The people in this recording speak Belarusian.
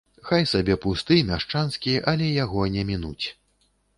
Хай сабе пусты, мяшчанскі, але яго не мінуць.